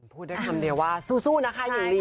พูดได้คำเดียวว่าสู้นะคะหญิงลี